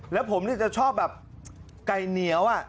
แล้วผมจะชอบแบบไก่เหนียว